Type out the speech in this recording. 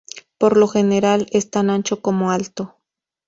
Por lo general, es tan ancho como alto.